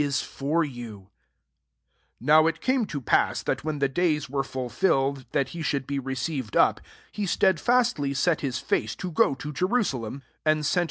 51 NOW it came to pass, that when the days were fulfill ed that he should be received up, he stedfastly set hi^ face to go to Jerusalem ; 52 and sent »11 121 LUKE X.